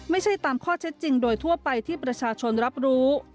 ไม่ใช่ตามข้อเท็จจริงโดยทั่วไปที่ประชาชนรับรู้